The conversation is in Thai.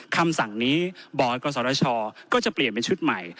คำสั่งนี้บอร์ดกศชก็จะเปลี่ยนเป็นชุดใหม่